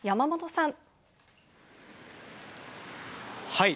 はい。